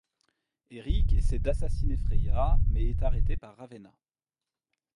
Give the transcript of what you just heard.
Eric essaie d'assassiner Freya, mais est arrêté par Ravenna.